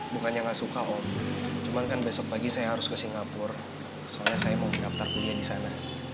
bukannya nggak suka om cuma kan besok pagi saya harus ke singapura soalnya saya mau daftar kuliah di sana